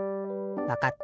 わかった。